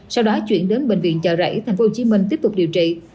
sau đó chuyển đến bệnh viện chợ rẫy tp hồ chí minh tiếp tục điều trị